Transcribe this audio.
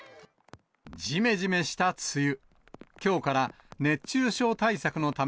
じめじめした梅雨。